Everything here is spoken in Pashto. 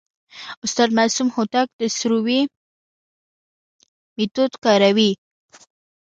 استاد معصوم هوتک د سروې میتود کاروي.